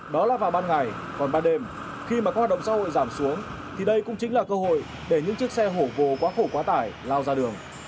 đó là vào ban ngày còn ban đêm khi mà các hoạt động xã hội giảm xuống thì đây cũng chính là cơ hội để những chiếc xe hổ gồ quá khổ quá tải lao ra đường